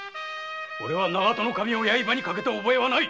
おれは長門守を刃にかけた覚えはない！